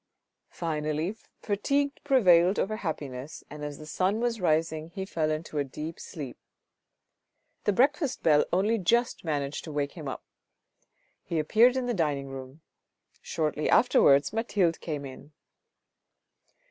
Finally fatigue prevailed over happiness, and as the sun was rising he fell into a deep sleep. The breakfast bell only just managed to wake him up. He appeared in the dining room. Shortly afterwards Mathilde came in.